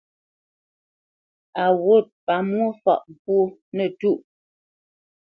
A wût pamwô fâʼ ŋkwó nətûʼ.